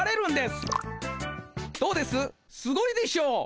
すごいでしょ。